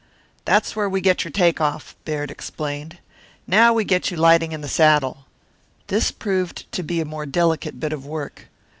"That's where we get your take off," Baird explained. "Now we get you lighting in the saddle." This proved to be a more delicate bit of work.